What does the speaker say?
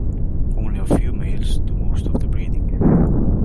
Only a few males do most of the breeding.